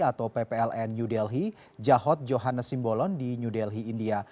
atau ppln new delhi jahod johannes simbolon di new delhi india